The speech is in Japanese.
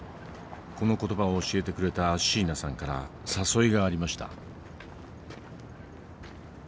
この言葉を教えてくれたアシーナさんから誘いがありました。